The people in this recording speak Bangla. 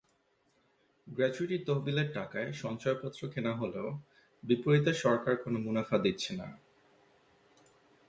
গ্র্যাচুইটি তহবিলের টাকায় সঞ্চয়পত্র কেনা হলেও বিপরীতে সরকার কোনো মুনাফা দিচ্ছে না।